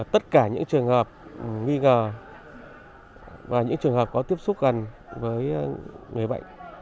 tất cả những trường hợp nghi ngờ và những trường hợp có tiếp xúc gần với người bệnh